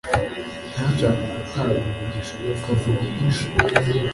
ntashake gutunga umugisha, yokabura umugisha